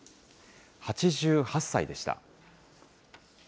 ８８歳でした。